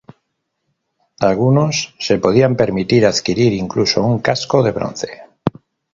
Algunos se podían permitir adquirir incluso un casco de bronce.